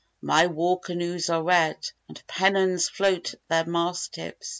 My war canoes are red, and pennons float at their mast tips.